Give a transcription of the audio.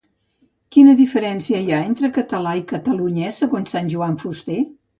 Quina diferència hi ha entre 'català' i 'catalunyès', segons Sant Joan Fuster?